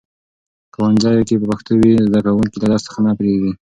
ښوونځي کې پښتو وي، زده کوونکي له درس څخه نه بیریږي.